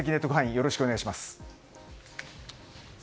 よろしくお願いします。